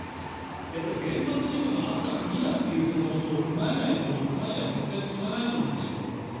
やっぱり原発事故があった国だということを踏まえないと、話は絶対進まないと思うんですよ。